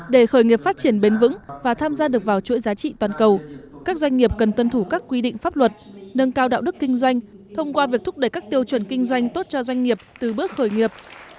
để khởi nghiệp phát triển bền vững và tham gia được vào chuỗi giá trị toàn cầu các doanh nghiệp cần tuân thủ các quy định pháp luật nâng cao đạo đức kinh doanh thông qua việc thúc đẩy các tiêu chuẩn kinh doanh tốt cho doanh nghiệp từ bước khởi nghiệp